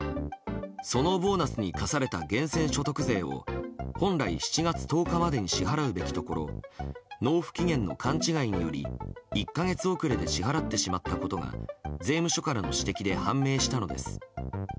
そのボーナスに課された源泉所得税を本来、７月１０日までに支払うべきところを納付期限の勘違いにより１か月遅れで支払ってしまったことが税務署からの指摘で判明したのです。